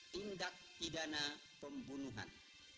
tindak pidana pembunuhan